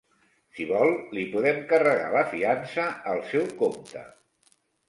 Si vol, li podem carregar la fiança al seu compte.